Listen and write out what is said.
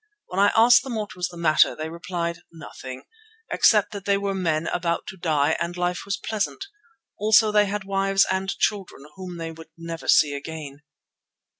When I asked them what was the matter they replied, "Nothing," except that they were men about to die and life was pleasant. Also they had wives and children whom they would never see again.